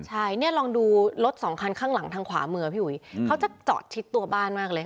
ใช่เนี่ยลองดูรถสองคันข้างหลังทางขวามือพี่อุ๋ยเขาจะจอดชิดตัวบ้านมากเลย